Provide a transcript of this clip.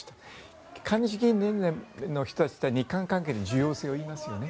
韓日議員連盟の人たちは日韓関係の重要性を言いますよね。